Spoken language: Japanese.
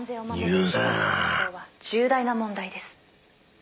「重大な問題です」